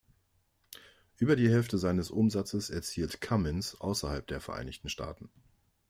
Über die Hälfte seines Umsatzes erzielt Cummins außerhalb der Vereinigten Staaten.